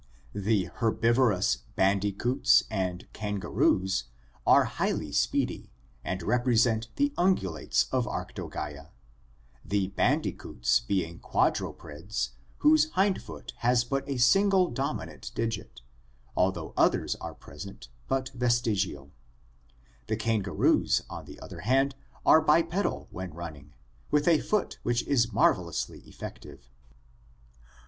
The herbivorous bandicoots and kangaroos are highly speedy and represent the ungulates of Arctogasa, the bandi coots (C/ueropus) being quadrupeds whose hind foot has but a 288 ORGANIC EVOLUTION single dominant digit, although others are present but vestigial. The kangaroos, on the other hand, are bipedal when running, with a foot which is marvelously effective.